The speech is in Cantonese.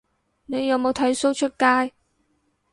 你有冇剃鬚出街